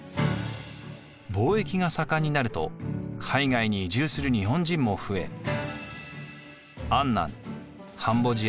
貿易が盛んになると海外に移住する日本人も増え安南カンボジア